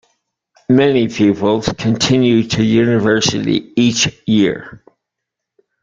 Many pupils continue to university each year.